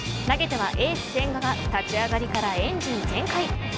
投げてはエース千賀が立ち上がりからエンジン全開。